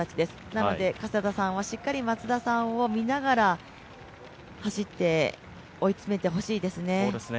なので加世田さんはしっかり松田さんを見ながら走って、追い詰めてほしいですね。